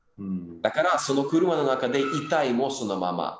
だからその車の中で、遺体もそのまま。